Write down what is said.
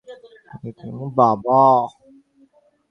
উকিলরা হরিহরের নিকট হইতে টাকা লন না।